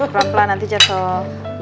pelan pelan nanti jatuh